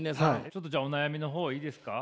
ちょっとじゃあお悩みの方いいですか？